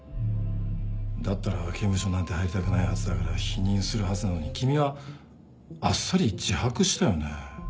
だったら刑務所なんて入りたくないはずだから否認するはずなのに君はあっさり自白したよね？